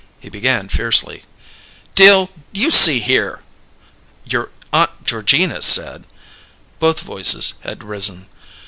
He began fiercely: "Dill, you see here " "Your Aunt Georgina said " Both voices had risen.